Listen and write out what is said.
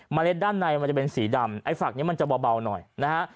เล็ดด้านในมันจะเป็นสีดำไอ้ฝักนี้มันจะเบาหน่อยนะฮะ